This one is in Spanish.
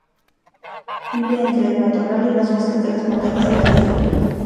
Vive entre el matorral y los bosques de las montañas de la isla.